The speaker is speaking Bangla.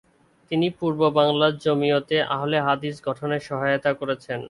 তিনি পূর্ববাংলা জমিয়তে আহলে হাদিস গঠনে সহায়তা করেছেন।